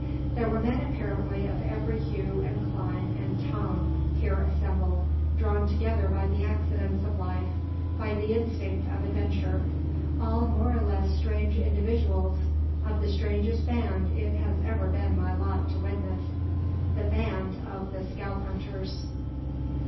There were men apparently of every hue and clime and tongue here assembled, drawn together by the accidents of life, by the instinct of adventure all more or less strange individuals of the strangest band it has ever been my lot to witness: the band of the Scalp Hunters!